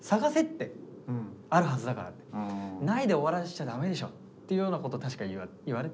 ないで終わらしちゃダメでしょっていうようなこと確か言われて。